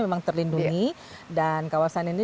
memang terlindungi dan kawasan ini